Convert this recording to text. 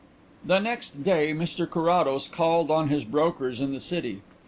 The next day Mr Carrados called on his brokers in the city.